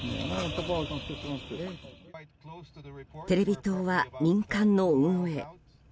テレビ塔は民間の運営。